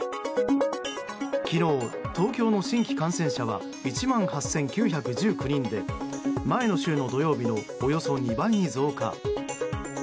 昨日、東京の新規感染者は１万８９１９人で前の週の土曜日のおよそ２倍に増加。